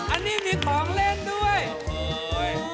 อันนี้มีของเล่นด้วยโอ้ย